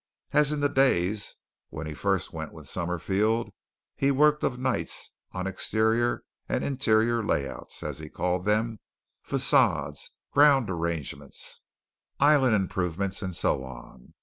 As in the days when he first went with Summerfield, he worked of nights on exterior and interior layouts, as he called them façades, ground arrangements, island improvements, and so on.